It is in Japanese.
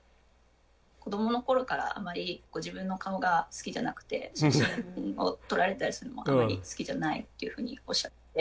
子どもの頃からあまりご自分の顔が好きじゃなくて写真を撮られたりするのがあまり好きじゃないっていうふうにおっしゃって